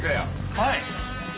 はい！